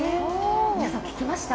皆さん、聞きました？